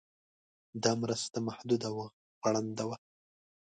دا مرسته محدوده او غړنده وه.